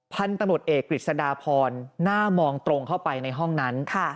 พันธุ์ตำรวจเอกกฤษฎาพรหน้ามองตรงเข้าไปในห้องนั้น